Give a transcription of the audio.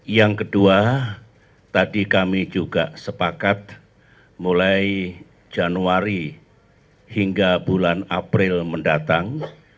yang kedua tadi kami juga sepakat mulai januari hingga bulan april mendatang